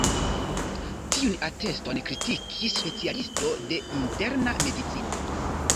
Tiun ateston kritikis specialisto de interna medicino.